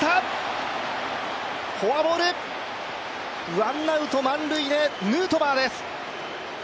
ワンアウト満塁でヌートバーです。